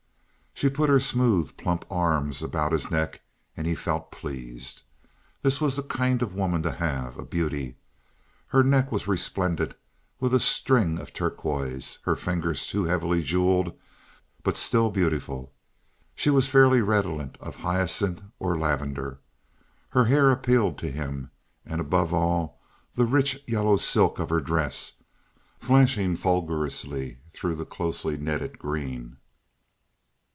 She put her smooth, plump arms about his neck, and he felt pleased. This was the kind of a woman to have—a beauty. Her neck was resplendent with a string of turquoise, her fingers too heavily jeweled, but still beautiful. She was faintly redolent of hyacinth or lavender. Her hair appealed to him, and, above all, the rich yellow silk of her dress, flashing fulgurously through the closely netted green.